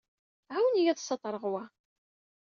Ɛawen-iyi-d ad d-ssaṭreɣ wa.